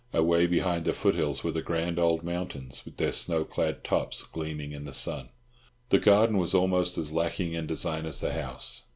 Away behind the foothills were the grand old mountains, with their snow clad tops gleaming in the sun. The garden was almost as lacking in design as the house.